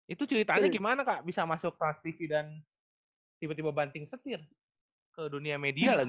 itu ceritanya gimana kak bisa masuk transtv dan tiba tiba banting setir ke dunia media lagi